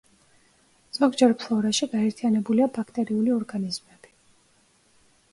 ზოგჯერ ფლორაში გაერთიანებულია ბაქტერიული ორგანიზმები.